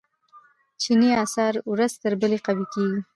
چیني اسعار ورځ تر بلې قوي کیږي.